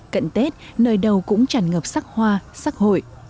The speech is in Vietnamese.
cận tết nơi đâu cũng chẳng ngập sắc hoa sắc hội